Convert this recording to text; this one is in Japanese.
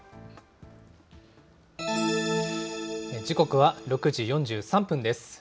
時刻は６時４３分です。